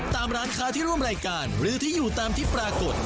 ตามร้านค้าที่ร่วมรายการหรือที่อยู่ตามที่ปรากฏ